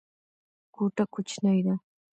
کوټه کوچنۍ ده.